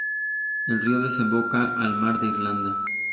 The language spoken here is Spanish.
El río desemboca al Mar de Irlanda.